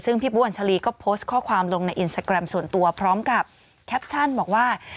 ซึ่งพี่ปุ๊กอัญชรีก็โพสต์ข้อความลงในส่วนตัวพร้อมกับบอกว่า